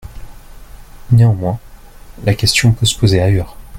Néanmoins, la question peut se poser ailleurs.